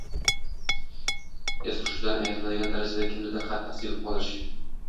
es-hushidan ayriladigan darajada kimnidir qattiq sevib qolish.